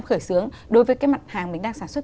khởi xướng đối với cái mặt hàng mình đang sản xuất